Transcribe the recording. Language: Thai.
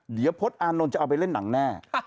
เดี๋ยวพจน์อานนท์จะเอาไปเล่นหนังแน่